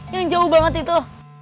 yang jauh banget itu